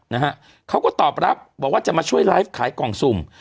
นะฮะเขาก็ตอบรับบอกว่าจะมาช่วยไลฟ์ขายกล่องสุ่ม